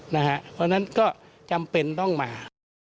เพราะฉะนั้นก็จำเป็นต้องมา